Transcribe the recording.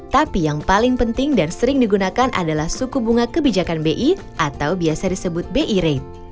tapi yang paling penting dan sering digunakan adalah suku bunga kebijakan bi atau biasa disebut bi rate